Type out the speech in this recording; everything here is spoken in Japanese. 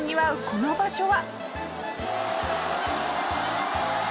この場所は。